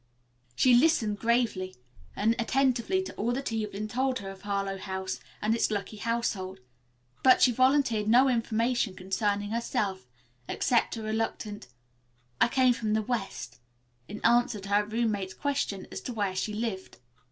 She listened gravely and attentively to all that Evelyn told her of Harlowe House and its lucky household, but she volunteered no information concerning herself except a reluctant, "I came from the West," in answer to her roommate's question as to where she lived.